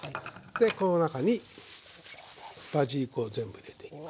でこの中にバジリコを全部入れていきます。